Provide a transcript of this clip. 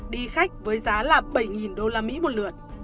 đi khách với giá là bảy usd một lượt